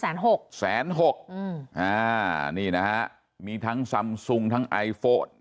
หกแสนหกอืมอ่านี่นะฮะมีทั้งซำซุงทั้งไอโฟด